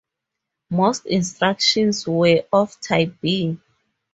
Most instructions were of type B.